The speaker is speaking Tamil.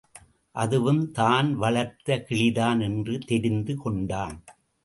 அதுவும் தான் வளர்த்த கிளிதான் என்று தெரிந்து கொண்டான்.